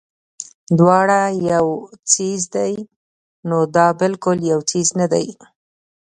دواړه يو څيز دے نو دا بالکل يو څيز نۀ دے